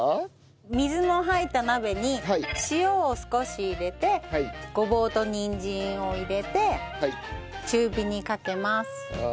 水の入った鍋に塩を少し入れてごぼうとにんじんを入れて。